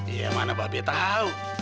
ya mana pak be tau